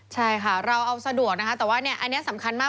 ใช่ค่ะเราเอาสะดวกนะคะแต่ว่าเนี่ยอันนี้สำคัญมาก